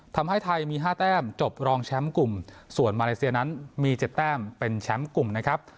ทำให้ไทยมี๕แต้มจบรองแชมป์กลุ่มส่วนมาเลเซียนั้นมี๗แต้มเป็นแชมป์กลุ่มนะครับ